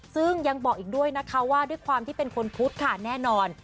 ซึ่งยังบอกอีกด้วยนะคะว่าด้วยความที่เป็นคนพุทธค่ะแน่นอน